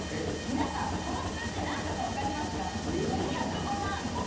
皆さんこの数字何だか分かりますか？